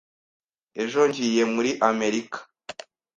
Ejo ngiye muri Amerika.